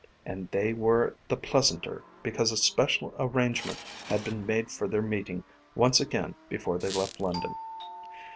And they were the pleasanter because a special arrangement had been made for their meeting once again before they left London.